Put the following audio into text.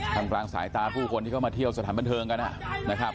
ภรรย์ภรรย์สายตาผู้คนที่เข้ามาเที่ยวสถานบันเทิงกันนะฮะ